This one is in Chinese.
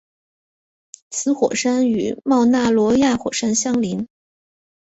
此火山与冒纳罗亚火山相邻。